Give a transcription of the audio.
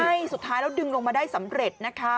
ใช่สุดท้ายแล้วดึงลงมาได้สำเร็จนะคะ